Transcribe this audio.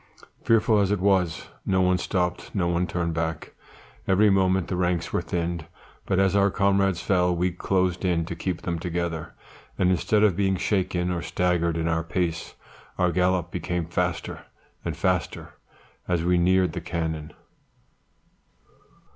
"Fearful as it was, no one stopped, no one turned back. Every moment the ranks were thinned, but as our comrades fell, we closed in to keep them together; and instead of being shaken or staggered in our pace our gallop became faster and faster as we neared the cannon.